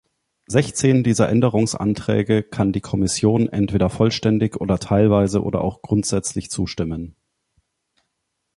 Sechzehn dieser Änderungsanträge kann die Kommission entweder vollständig oder teilweise oder auch grundsätzlich zustimmen.